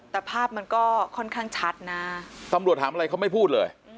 แต่ภาพมันก็ค่อนข้างชัดนะตำรวจถามอะไรเขาไม่พูดเลย